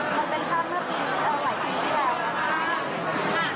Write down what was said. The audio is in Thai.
คุณผู้สามารถได้คิดคุณผู้สามารถได้คิด